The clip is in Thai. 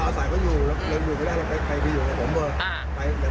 ก็ลูกแม่นะแล้วอะไรกันมา